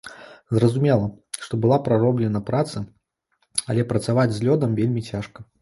Зразумела, што была праробленая праца, але працаваць з лёдам вельмі цяжка.